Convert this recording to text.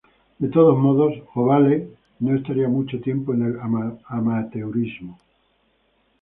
De todos modos, Ovalle no estaría mucho tiempo en el amateurismo.